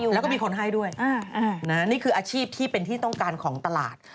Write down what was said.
แล้วก็มีคนให้ด้วยนี่คืออาชีพที่เป็นที่ต้องการของตลาด